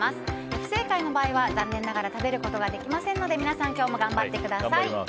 不正解の場合は、残念ながら食べることができませんので皆さん今日も頑張ってください。